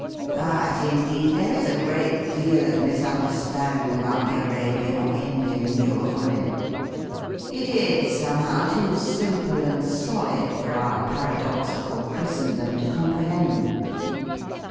But, indeed, there is a great deal of misunderstanding about the Arabian or Indian view of women. It is, somehow, too simple and solid for our paradoxical Qiristendom to comprehend.